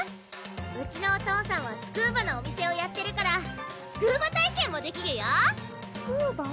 うちのお父さんはスクーバのお店をやってるからスクーバ体験もできるよスクーバ？